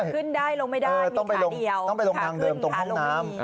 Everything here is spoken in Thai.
ขึ้นได้ลงไม่ได้มีขาเดียวขาขึ้นขาลงนี้ต้องไปลงทางเดิมตรงห้องน้ำ